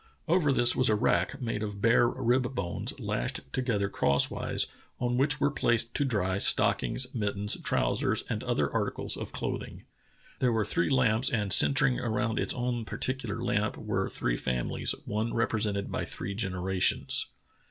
Over this was a rack, made of bear rib bones lashed together crosswise, on which were placed to dry stockings, mittens, trousers, and other articles of clothing. There w^re three lamps, and centring around its own particular lamp were three families, one represented by three generations."